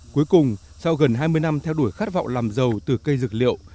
cuối cùng sau gần hai mươi năm theo đuổi khát vọng làm giàu từ cây dược liệu